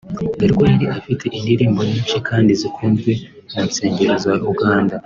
dore ko yari afite indirimbo nyinshi kandi zikunzwe mu nsengero za Uganda